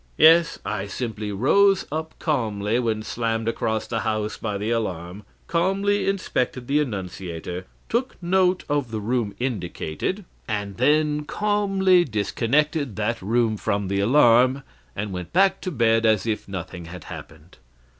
Yes, I simply rose up calmly, when slammed across the house by the alarm, calmly inspected the annunciator, took note of the room indicated; and then calmly disconnected that room from the alarm, and went back to bed as if nothing had happened.